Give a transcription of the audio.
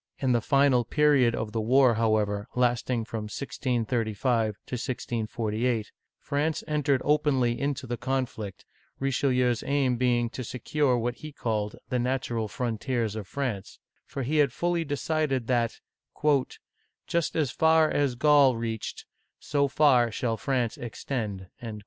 In the final period of the war, however, lasting from 1635 to 1648, France entered openly into the conflict, Richelieu's aim being to secure what he called " the natural frontiers of France "; for he had fully decided that, "Just as far as Gaul reached, so far shall France extend!"